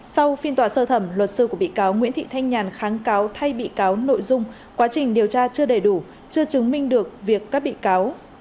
sau phiên tòa sơ thẩm luật sư của bị cáo nguyễn thị thanh nhàn kháng cáo thay bị cáo nội dung quá trình điều tra chưa đầy đủ chưa chứng minh được việc các bị cáo